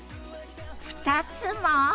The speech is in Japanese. ２つも？